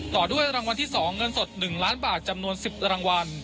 ต่อด้วยรางวัลที่๒เงินสด๑ล้านบาทจำนวน๑๐รางวัล